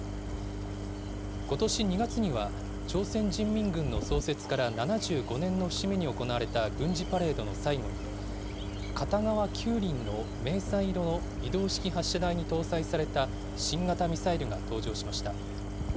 ことし２月には、朝鮮人民軍の創設から７５年の節目に行われた軍事パレードの最後に、片側９輪の迷彩色の移動式発射台に搭載された新型ミサイルが登場しました。